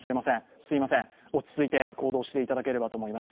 すみません、落ち着いて行動していただければと思います。